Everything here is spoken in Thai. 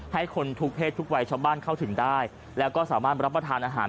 ให้คนทุกเพศทุกวัยชาวบ้านเข้าถึงได้แล้วก็สามารถรับประทานอาหาร